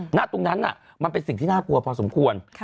หน้าตรงนั้นมันเป็นสิ่งที่น่ากลัวพอสมควร